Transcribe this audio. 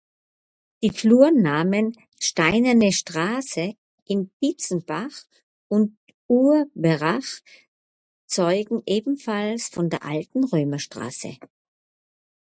Die Flurnamen Steinerne Straße in Dietzenbach und Urberach zeugen ebenfalls von der alten Römerstraße.